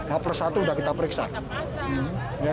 hapus satu sudah kita periksa